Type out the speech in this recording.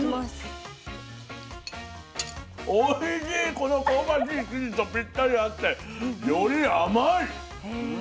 この香ばしい生地とぴったり合ってより甘い。